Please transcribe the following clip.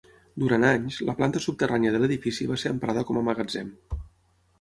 Durant anys, la planta subterrània de l'edifici va ser emprada com a magatzem.